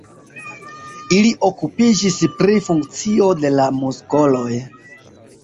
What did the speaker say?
Ili okupiĝis pri funkcio de la muskoloj.